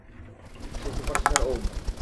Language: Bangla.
সে সুপারস্টার ওম।